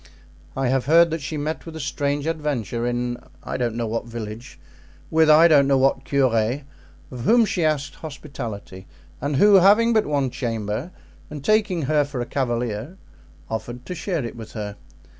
I have heard that she met with a strange adventure in I don't know what village, with I don't know what curé, of whom she asked hospitality and who, having but one chamber, and taking her for a cavalier, offered to share it with her.